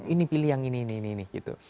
ini pilih yang ini ini ini ini gitu